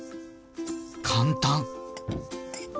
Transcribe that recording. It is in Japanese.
簡単！